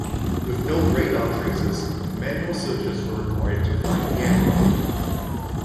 With no radar traces, manual searches were required to find the aircraft.